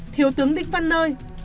thiếu tướng đinh văn nơi